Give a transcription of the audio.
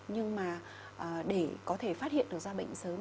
nhưng mà để có thể phát hiện được ra bệnh sớm